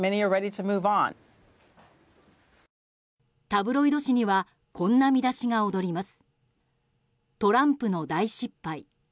タブロイド紙にはこんな見出しが躍ります。